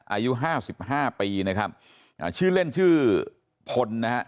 อายุ๕๕ปีนะครับชื่อเล่นชื่อพลนะฮะ